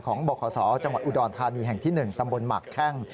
ของบคจอุดรธานีแห่งที่๑ตำรวจหมักแท่ง